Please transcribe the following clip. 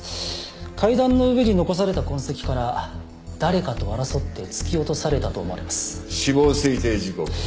階段の上に残された痕跡から誰かと争って突き落とされたと思われます死亡推定時刻は？